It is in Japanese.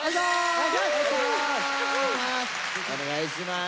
お願いします！